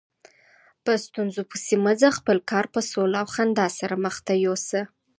په ستونزو پسې مه ځه، خپل کار په سوله او خندا سره مخته یوسه.